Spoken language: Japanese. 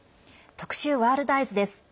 特集「ワールドＥＹＥＳ」です。